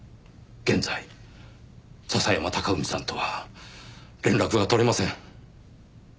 現在笹山隆文さんとは連絡が取れません。